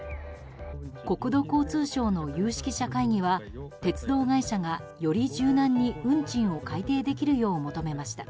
国土交通省の有識者会議は鉄道会社がより柔軟に運賃を改定できるよう求めました。